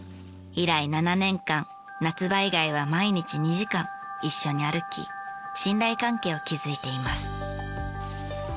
以来７年間夏場以外は毎日２時間一緒に歩き信頼関係を築いています。